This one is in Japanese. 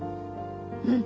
うん！